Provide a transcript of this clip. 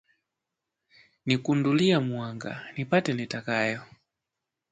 Nikundulia muwanga, nipate niyatakayo